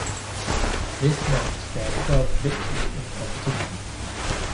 This marked their twelfth victory in the competition.